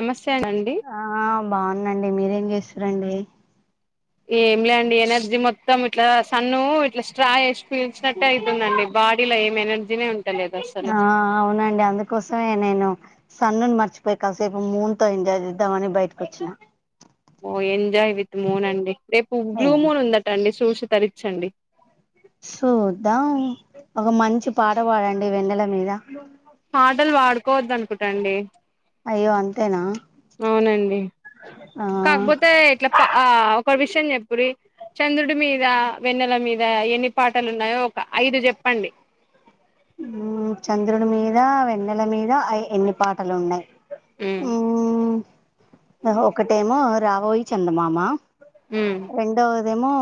నమస్తే అండి ఆ బాగుందండి మీరేం చేస్తురండి ఏం లే అండి ఎనర్జీ మొత్తం ఇట్లా సన్ను ఇట్లా స్ట్రా ఏసీ పీల్చినట్టే అయితుందండి బాడీలో ఏం ఎనర్జీనే ఉంటలేదు అసలు ఆ అవునండి అందుకోసమే నేను సన్నుని మర్చిపోయి కాసేపు మూన్ తో ఎంజాయ్ చేద్దామని బయటకు వచ్చిన ఓ ఎంజాయ్ విత్ మూన్ అండి రేపు ఏ బ్లూ మూన్ ఉందట అండి చూసి తరిచండి సూద్దాం ఒక మంచి పాట బాడండి వెన్నెల మీద పాటల్ బాడుకోవద్దు అనుకుట అండి అయ్యో అంతేనా అవునండి ఆ కాకపోతే ఇట్లా పా ఆ ఒక విషయం చెప్పుర్రి చంద్రుడి మీద వెన్నెల మీద ఎన్ని పాటలు ఉన్నాయో ఒక ఐదు జెప్పండి చంద్రుని మీద వెన్నెల మీద అ ఎన్ని పాటలు ఉన్నాయి ఉమ్ ఊ ఒకటేమో రాఓయి చందమామా ఊ దెమో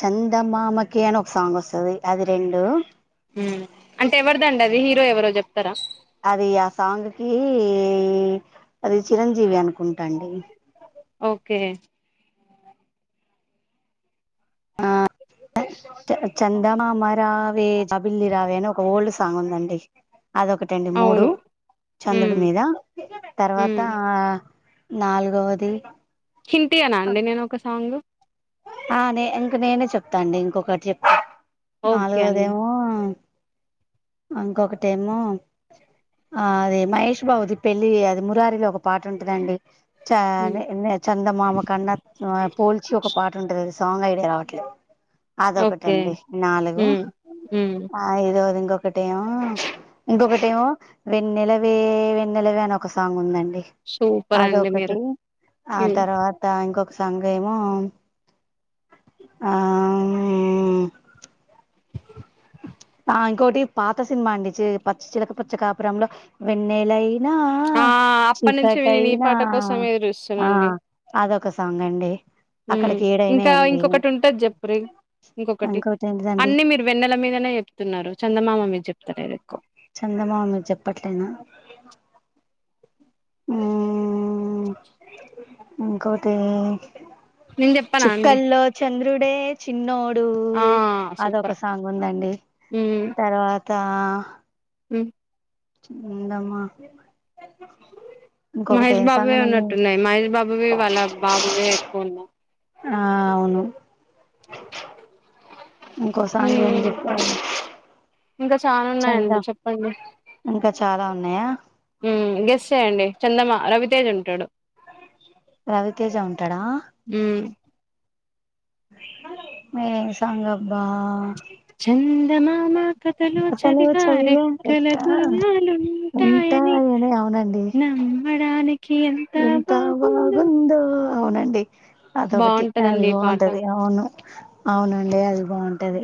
చందమామకి అనె ఒక సాంగ్ వస్తది అది రెండు అంటే ఎవరిదండి అది హీరో ఎవరో జెప్తారా అది ఆ సాంగ్ కి అది చిరంజీవి అను కుంటండి ఓకే ఆ చందమామ రావే జాబిల్లి రావే అని ఒక ఓల్డ్ సాంగుందండి అదొకటండి మూడు అవును ఉమ్ చంద్రుడి మీద తర్వాత ఉమ్ నాలుగవది హింటియనా అండి నేనొక సాంగ్ ఆ నే ఇంక నేనే చెప్తా అండి ఇంకొకటి చెప్తా ఓకే అండి నాలుగోదేమో అంకొకటేమో ఆ అదే మహేష్ బాబుది పెళ్ళి అది మురారిలో ఒక పాట ఉంటదండి హ్మ్. చనే చందమామ కన్న ఆ పోల్చి ఒక పాట్ సాంగ్ ఐడియా రావట్లే ఓకే అదొకటండి నాలుగు హ్మ్ హ్మ్ ఐదోది ఇంకొకటేమో ఇంకొకటేమో వెన్నెలవే వెన్నెలవే అని ఒక సాంగ్ ఉందన్ డి సూపర్ అండి అదొక్కటి మీరు ఆ హ్మ్ తర్వాత ఇంకొక సాంగ్ ఏమో ఆ ఉ ఇంకోటి పాత సినిమా అండి చి పచ్చ చిలక పచ్చ కాపురంలో వెన్నెలై నా ఆ అప్పటి నుంచి నేను ఈ చికటైనా పాట కోసం ఎదురు ఆ అదొక సాంగ్ అండి ఉ అక్కడికి ఇంకా ఏడైనాయండి ఇంకొకటి ఉంటది చెప్పురి ఇంకొకటి ఇంకోటి ఏంటిదండి అన్ని మీరు వెన్నెల మీదనే చెప్తున్నారు, చందమామ మీద చెప్ చందమామ చెప్పట్లేనా ఉ ఇంకొటి నేను చెప్పనా అండి చుక్కల్లో చంద్రుడే చిన్నోడు ఆ అదొక సూపర్ సాంగ్ ఉందండి తర్వాత్ త ఉ చిందామా [inaudible] మహేష్ సాంగ్ బాబువే ఉన్నట్టు ఉందండి ఉన్నాయి మహేష్ బాబువి వాళ్ళ బాబువే ఎక్కువ ఉన్నాయ్. ఆ అవును ఇంకో సాంగ్ ఏంది హ్మ్ చెప్పాలి ఇంకా చానా చంద ఉన్నాయండి చెప్పండి ఇంకా చాలా ఉన్నాయా ఉ గెస్ చేయండి చందమా రవితేజ్ ఉంటాడు రవితేజ ఉంటాడా హ్మ్ మేమ్ సాంగ్ అబ్బా చందమామ కథ్ కథలు అసలు చదివా చదివే రెక్కల లెక్క గుర్రాలుంటాయని ఉంటాయని అవునండి నమ్ నమ్మడానికి ఎంత బాగుందో అవునండి అదొకటి అది బావుంటదండి ఈ పాట. బాగుంటది అవును అవునండి అది బాగుంటది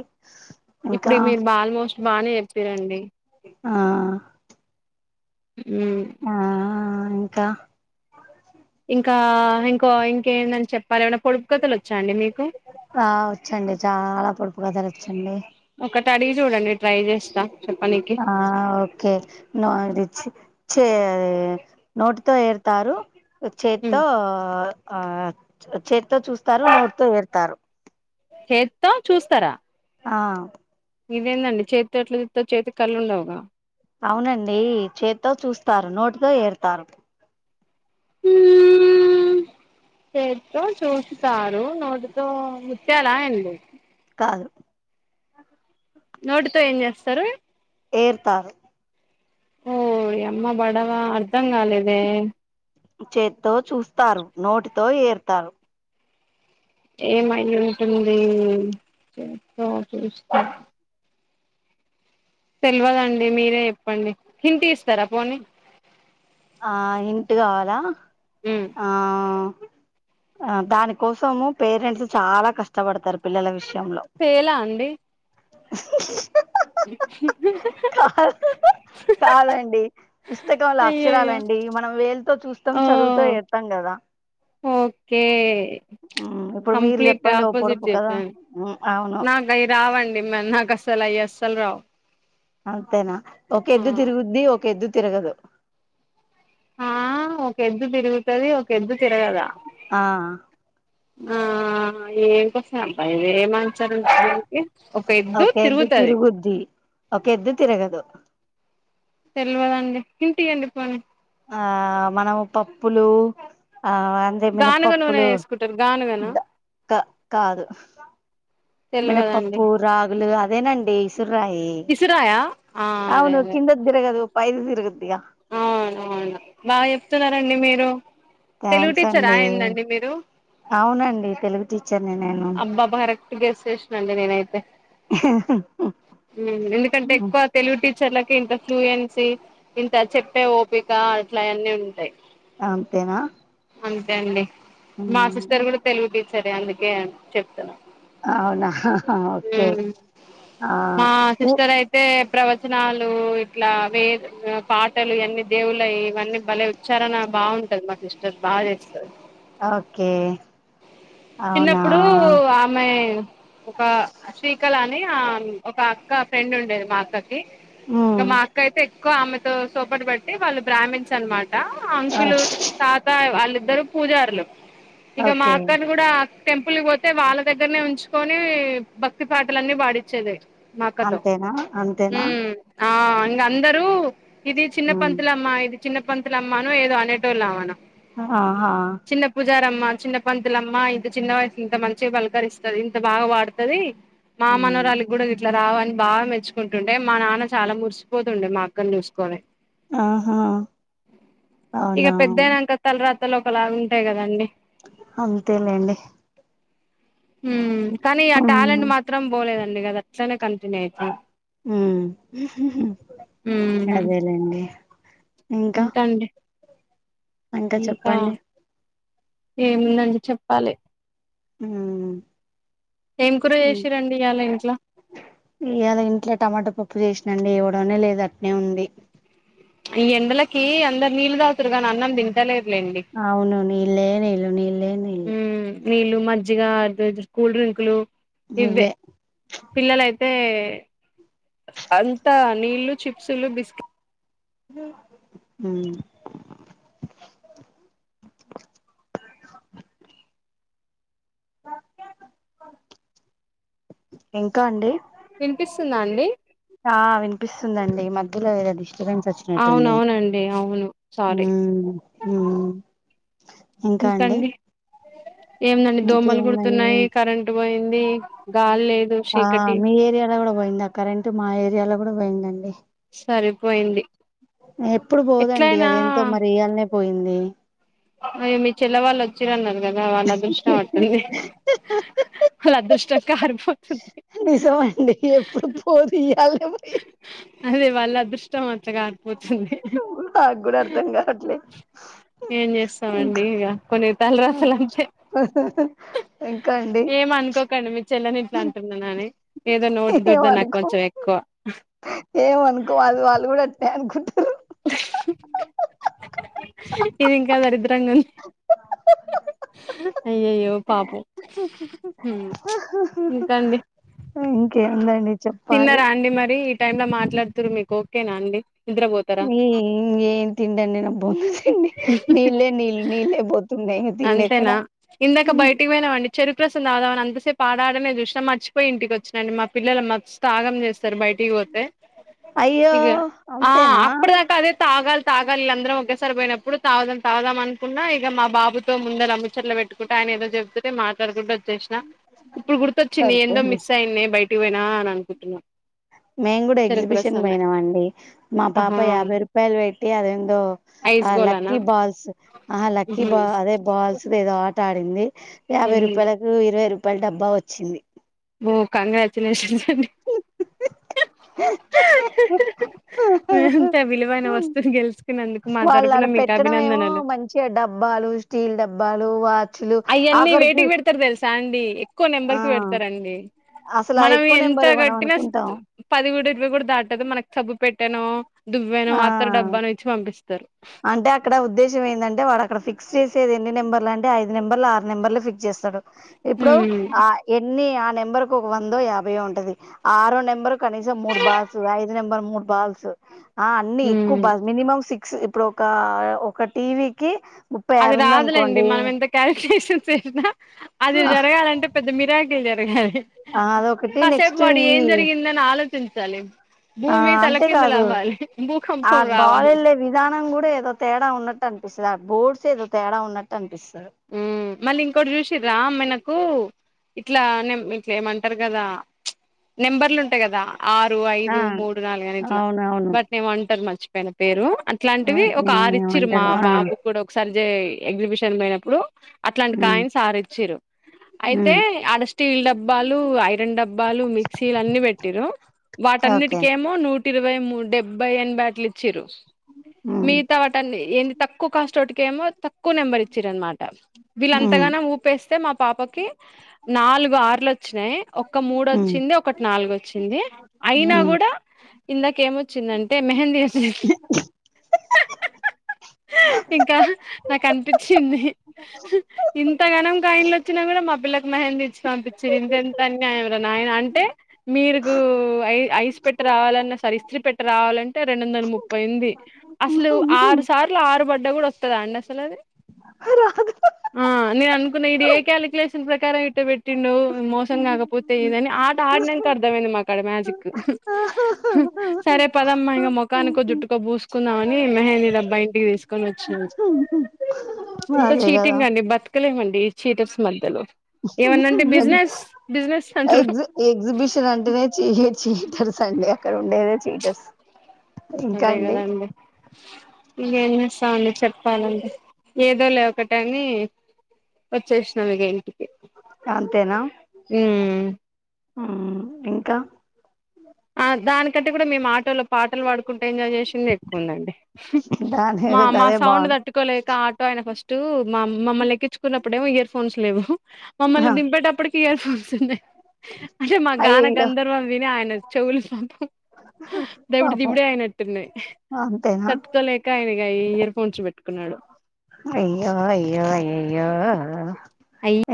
ఇంకా ఇప్పుడు మీరు బాల్మోస్ట్ బాగానే చెప్పిరండి ఆ ఉ ఆ ఇంకా ఇంకా ఇంకో ఇంకేందని చెప్పాలి ఏమన్నా పొడుపు కథలు వచ్చా అండి మీకు. ఆ వచ్చాండి చాలా పొడుపు కథలు వచ్చాండి ఒకటి అడిగి చూడండి ట్రై చేస్తా చెప్పనీకి ఆ ఓకే నాందిచ్చి చే నోటితో ఏరుతారు హ్మ్ చేత్తో ఆ చ్ చేత్తో చూస్తారు నోటితో ఏరుతారు చేత్తో చూస్తారా ఆ ఇదేందండి చేత్తో ఎట్లా చూత్తర్ చేతికి కళ్ళు ఉండవుగా. అవునండి చేత్తో చూస్తారు నోటితో ఏరుతారు చేతో చూస్తారు నోటితో ముత్యాల ఏంది కాదు నోటితో ఏం చేస్తారు ఏరుతారు ఓ యామ్మ బడవ అర్ధం కాలేదే చేత్తో చూస్తారు నోటితో ఏరుతారు ఏం అయ్ ఉంటుంది చేత్తో చూస్తా తెల్వదండి మీరే చెప్పండి హింట్ ఇస్తారా పోనీ ఆ హింట్ కావాలా ఉమ్ ఆ ఆ దాని కోసము పేరెంట్స్ చాలా కష్టపడతారు పిల్లల విషయం పేలా అండి హి కాదు కాదండి పుస్తకం లా అయ్యయ్యో అక్షరాలండి మనం వేలుతో చూస్తాం ఓ చదువుతో వేస్తాం కదా ఓకే ఉమ్, ఇప్పుడు మీరు కంప్లీట్ చెప్పండి ఓ ఆపోజిట్ పొడుపు కదా చెప్పాను ఉమ్, అవును నాకు అయి రావండి నాకు అస్సలు అయి అస్సలు రావు అంతేనా ఒక ఎద్దు ఆ తిరుగుద్ది ఒక ఎద్దు తిరగదు ఆ ఒక ఎద్దు తిరుగుతుది ఒక ఎద్దు తిరగదా ఆ ఆ ఏం కసబ్బా ఇదే మ ఒక ఎద్దు తిరుగుతది ఒక ఎద్దు తిరగదు తెలివదండి హింట్ ఇవ్వండి పోనీ ఆ మనము పప్పులు ఆ అంటే గానుగ నూనె మినపప్పులు వేసుకుంటారు గానుగనా కాదు తెల్వదండి మినపపప్పులు రాగులు అదేనండి ఇసురయి ఇసురాయా ఆ అదే అవును అదే కిందకు దిరగదు పైకి తిరుగుద్ది అవునవును బాగా చెప్తున్నారండి మీరు తెలుగు థ్యాంక్స్ టీచర్ ఆ అండి ఏందండి మీరు అవునండి తెలుగు టీచర్ని నేను అబ్బాబా కరెక్ట్ గెస్ చేసిన అండి నేనైతే హి ఎందుకంటే ఎక్కువ తెలుగు టీ చర్లకి ఇంత ఫ్లూయెన్సీ ఇంత చెప్పే ఓపిక అట్లా అన్నీ ఉంటాయి అంతేనా అంతే అండి మా సిస్టర్ కూడా తెలుగు టీచరే అందుకే చెప్తున్నా అవునా ఓకే ఉమ్ ఆ మా సిస్టర్ అయితే ప్రవచనాలు ఇట్లా వే పాటలు అన్ని దేవుల ఇవన్నీ బ చరనా బాగుంటది మా సిస్టర్ బాగా చేస్తారు ఓకే అవునా చిన్నప్పుడు ఆమె ఒక కాల ని ఆ ఒక అక్క ఫ్రెండ్ ఉండేది మా అక్కకి ఇక ఉమ్ మా అక్క అయితే ఎక్కువ ఆమెతో సోపతి బట్టి వాళ్ళు బ్రాహ్మిన్స్ అనమాట అంకులు తాత వాళ్ళిద్దరు పూజారులు ఇగ మా ఓకే అక్క టెంపుల్కి పోతే వాళ్ళ దగ్గరనే ఉంచుకొని భక్తి పాటలన్నీ పాడిచేది అంతేనా అంతేనా ఉం ఆ ఇంగ అందరు ఇది చిన్న ఉమ్ పంతులమ్మా ఇది చిన్న పంతులఅమ్మను ఎదో అనే టోళ్ళ అమను ఆహా హా చిన్న పంతులమ్మా ఇంత చిన్న వయసు ఇంత మంచిగా బలకరిస్తుంది ఇంత బాగా పాడుతుది మా ఉమ్ మనువారాలు కూడా ఇట్లా రావు అని బాగా మెచ్చుకుంటుంటే మా నాన్న చాలా మురిసిపోతుండే మా అక్కను చూసుకోని ఆహా ఇగ అవునా పెద్దయి నంక తల రాతాలు ఒకలాగ ఉంటాయి కదండి అంతే లేండి ఉం కానీ ఆ టాలెంట్ మాత్రం పోలేదండి కదా అట్లనే కనిపి ఉం అదేలేండి ఉంటా అండి అంటే చెప్పండి ఏముందండి చెప్పాలి ఉం ఏం కూర చేసిరండి ఇయాల ఇంట్లో ఇయాల ఇంట్లో టమాటా పప్పు చేసినండి నే లేదు అట్నే ఉంది ఈ ఎండలకి అందరు నీళ్ళు తాగుతరు గానీ అన్నం తింటలేదు అవును నీళ్ళే నీళ్లు నీళ్ళే నీళ్లు నీళ్లు మజ్జిగ కూల్ డ్రింకులు ఇవే ఇవ్వే పిల్లలయితే తే అంతా నీళ్లు చిప్సులు బిస్కెట్ ఉం వక ఇంకా అండి వినిపిస్తుందా అండి ఆ వినిపిస్తుందండి మధ్యలో ఏదో డిస్టబెన్స్ వచ్చినట్టుంది అవునవునండి అవును సారీ ఉం ఉం ఇంకండి ఎందండి దోమలు ఇంకేముందండి కుడుతున్నాయి కరెంట్ పోయింది ది గా ఆ మీ ఏరియాలో కూడా పోయిందా కరెంట్ మా ఏరియాలో కూడా పోయిందండి సరిపోయింది ఎప్పుడు పోదండి ఎట్లయినా అది ఎంటో మర ఇయాలనే పోయింది అయ్యో మీ చెల్లె వాళ్ళు వచ్చిర అన్నారు కదా వాళ్ళ అదృష్టం అట్టుంధి ఆళ్ళ అదృష్టం కారిపోతుంది నిజం అండి ఎప్పుడు పోదు ఇయ్యాల అదే వాళ అదృష్ట నాకు కూడా అర్థం కావట్లే ఏం చేస్తామండి ఇంకా ఇక కొన్ని తలరాతలు అంతే హ ఇంకా అండి ఏమ అనుకోకండి మీ చెల్లెని ఇట్లా అంటున్నాను ఏమనుకో ఎక్కువ ఏమనుకో అదు వాళ్ళు కూడా అనుకుంటూరు ఇది ఇంకా దరిద్రం గా వుంది అయ్యయ్యో పాపం హ్మ్ ఇంకండి? ఇంకేందండి చెప్పాలి. మరి ఈ టైమ్ ల మాట్లాడుతుర్రు, మీకు ఓకేనా అండి? నిద్రపోతారా మీ ఏం తిండండి న బొం నీల్లే నీల్ నీల్లే బోతుండే అంతేనా ఇందాక బయటికి పోయినవండి, చెరుకు రసంద తాగుదా అంతసేపు ఆడాడనే చూసినం, మర్చిపోయి ఇంటికి వచ్చిన అండి, మా పిల్లలు మస్త్ ఆగం చేస్ సరె బయటిపోతే, అయ్యో ఇగ అంతేనా తాగాలిళ్ అందరం ఒకేసారి పోయినప్పుడు తాగుదం తాగుదామనుకున్నా, ఇగ మా బాబుతో ముందల అమ్ము చెట్ల పెట్టుకుంట ఆయన ఏదో చెప్తుంటే మాట్లాడుకుంట వచ్చేసిన, ఇప్పుడు గుర్తొచ్చింది ఏందో సరిపోయింది మిస్ అయింది బయట్ టి పోనా అని అనుకుంటున్నా. మేము కూడా చెరుకు ఎగ్జిబిషన్ రసం పోయినం అం, డి మా పాప ఆహా యాభై రూపాయలు పెట్టి అదేందో ఐస్ ఆ గోలానా లక్కీ బాల్స్, ఆహ లక్కీ బా అదే బాల్స్ దేదో ఆట ఆడింది, యాభై రూపాయలకు ఇరవై రూపాయల డబ్బా వచ్చింది. ఓ కంగ్రాచులేషన్స్ అండి. మేంత విలువైన వస్తువుని గెలుచుకుని వాళ్ళలా పెట్టడేమో మంచిగ డబ్బాలు, స్టీల్ డబ్బాలు, వా అయ్యన్నీ వేటికి పెడతరు తెలుసా అండి, ఎక్కువ ఆ నెంబర్ కి పెడతరండి. అసలు ఆ మనం ఎక్కువ ఎంత నెంబర్ మనం గట్టినా అనుకుంటాం పదిగుడ, ఇరవై గుడ దాటదు, మనకు సబ్బు పెట్టానో ఆ అంటే అక్కడ ఉద్దేశం ఏందంటే వాడు అక్కడ ఫిక్ ఫిక్స్ చేసేది ఎన్ని నెంబర్లు అంటే ఐదు నెంబర్లు, ఆరు నెంబర్లు, ఫిక్స్ చేస్తడు ఇప్పుడు ఉమ్ ఆ ఎన్ న్ని ఆ నెంబర్ ఒక వందో యాభయో ఉంటది, ఆరో నెంబరు కనీసం మూడు బాసు, ఐదు నెంబర్ మూడు బాల్స్ ఆ అన్ని ఎక్కువ ఉమ్ బ మినిమం సిక్స్, ఇప్పుడు ఒక ఒక టీవీకి ముప్పై అది ఆరు రాదులేండి ఉందనుకోండి మనం ఎంత క్యాలిక్యులేషన్స్ చెసినా అది ఆ జరగాలంటే పెద్ద మిరాకిల్ జరగాలి. ఆ అదొకటి కాసేపు నెక్స్ట్ వాడు ఈ ఏం జరిగిందని ఆలోచించాలి. ఆ భూమి తలకిందులు అంతేకాదు అవ్వాలి ఆ భూకంపం బాల్ రావాలి ఎళ్ళే విధానం గుడ విధానం ఏదో తేడా ఉన్నట్టనిపి పిస బోడ్స్ ఏదో తేడా ఉన్నట్టు అనిపిస్తుంది. ఉమ్ మళ్ళీ ఇంకోటి చూసిర్రా మనకు ఇట్లా నే ఇట్ల ఏమంటరు కదా ప్చ్, నెంబర్లు ఉంటయి కదా ఆరు, ఆ ఐదు, మూడు, నాలుగు అని ఇట్ల. అవునవును వాటినేమో అంటరు మర్చిపోయిన పేరు. అట్లాంటివి ఒక వాటిని ఆరిచ్చిరు మా ఏమంటారు ఆ బాబు కూడా ఒకసారి జేయి ఎగ్జిబిషన్ పొయినప్పుడు. అట్లాంటి ఉమ్ కాయిన్స్ ఆరిచ్చిరు, అయితే ఉమ్ ఆడ స్టీల్ డబ్బాలు, ఐరన్ డబ్ బ్బాలు, మిక్సీలు అన్ని పెట్టిర్రూ, ఓకే వాటన్నిటికేమో నూ ఇరవై మూడు, డెబ్బై, ఎనభై అట్లి చిరు, ఉమ్ మిగతా వాటన్ని ఏంటి తక్కువ కాస్ట్ వాటికేమో, తక్కువ నెంబర్ ఇచ్చిరన్నామాట. ఉమ్ వీళ్ళంతగనం ఊపేస్తే మా పాపకి నాలుగు ఆరులు వచ్చినాయి, ఒక్క మూడు ఉమ్ వచ్చింది, ఒకటి నాలుగు వచ్చింది, అయినా ఉమ్ గుడ్ డ ఇందాకేమొచ్చిందంటే మెహందీ ఏస్ ఇంకా నాకు అనిపించింది. ఇంత గనం కాయిన్లు వచ్చినా గుడ మా పిల్లకు మహందీ ఇచ్చి పంపించిండు, ఇందదెంత అన్యాయం రా నాయనా అంటే, మీరుకు ఐ ఐస్ పెట్టి రావాలన్నా సరే, ఇస్త్రీ పెట్ట రావాలంటే రెండు వందల ముప్పై ఉంది, అసలు ఆరు సార్ ఆరు బడ్డ గుడా వస్తదా అండి అసలది రాదు ఆ నేననుకున్నా ఇడు ఏ కాలిక్యలేషన్ ప్రకారం ఇటు పెట్టిండు మోసం గాకపోతే ఇదని ఆ ఆడ్నాక అర్థమైంది మాక్కడ మ్యాజిక్ సరే పదమ్మా ఇంకా మొకానికో జుట్టుకో పూసుకుందామని మెహేంది డబ్బా ఇంటికి తీసుకొని వచ్చినం ఉ ఇంత చీటింగ్ అండి బతకలేమండి చీటప్స్ మధ్యలో ఏమన్నాంటే బిజినెస్ బిజినెస్ అంటారు ఎగ్జ్ ఎగ్జిబిషన్ అంటేనే చీ చీటర్స్ అండి అక్కడ ఉండేదే చీటర్స్ ఇంకా అదే అండి గదండి ఇంగేంచేస్తాన చెప్పాలంటే ఏదో లే ఒకటని వచ్చేష్నామిగ ఇంటి అంతేనా ఉమ్ మ్మ్ ఇంకా ఆ దానికంటే గుడ మేము ఆటోలో పాటలు పాడు కుంట ఎంజాయ్ జేసింది ఎక్కువుందండి దాని అదే బాగుంది ఆయన ఫస్ట్ మ మమ్ల్ని ఎక్కించుకున్నప్పుడేమో ఇయర్ ఫోన్స్ లేవు మమ్మల్ని దింపేటప్పటిక్ ఇయర్ ఫోన్స్ ఉన్నాయి అంటే మా గాన అయ్యయ్యో గందర్వం విని ఆయన చెవులు దబిడు పాపం దిబిడే అయినట్టున్నయ్ అంతేనా తట్టుకోలేక ఆయనగా ఇయర్ ఫోన్స్ పెట్టుకున్నాడు అయ్యో అయ్యో అయ్యయ్యో అయ్